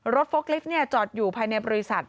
โฟกลิฟต์จอดอยู่ภายในบริษัท